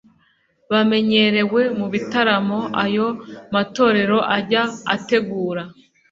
bamenyerewe mu bitaramo ayo matorero ajya ategura